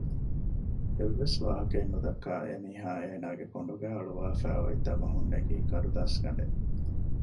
އެއްވެސް ވާހަކައެއް ނުދައްކާ އެމީހާ އޭނަގެ ކޮނޑުގައި އަޅުވާފައި އޮތް ދަބަހުން ނެގީ ކަރުދާސްގަޑެއް